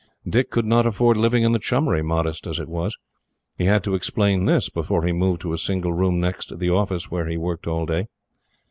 Dicky could not afford living in the chummery, modest as it was. He had to explain this before he moved to a single room next the office where he worked all day.